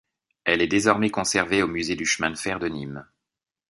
Elle est désormais conservée au Musée du Chemin de Fer de Nîmes.